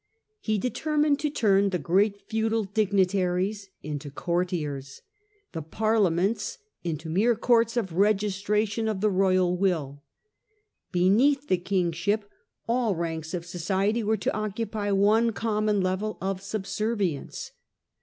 He determined to turn the great feudal dignitaries into courtiers, the Parlements into mere courts of registration of the royal will. Beneath the Kingship all ranks of society were to occupy one common level of subservience.